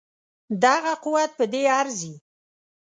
دغه قوت په دې ارزي.